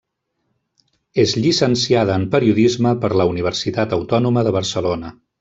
És llicenciada en Periodisme per la Universitat Autònoma de Barcelona.